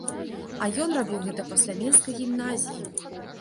А ён рабіў гэта пасля менскай гімназіі!